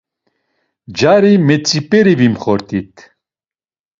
Cari metzip̌eri vimxot̆it.